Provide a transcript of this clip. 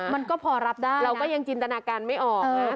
มันก็พอรับได้เราก็ยังจินตนาการไม่ออกนะ